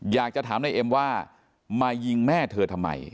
อยากจะถามนายเอ็มว่ามายิงแม่เธอทำไม